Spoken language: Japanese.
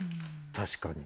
確かに。